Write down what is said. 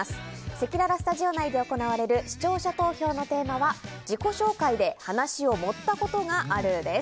せきららスタジオ内で行われる視聴者投票のテーマは自己紹介で話を盛ったことがあるです。